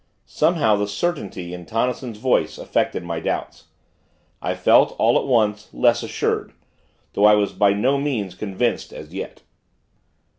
Somehow, the certainty in Tonnison's voice affected my doubts. I felt, all at once, less assured; though I was by no means convinced as yet.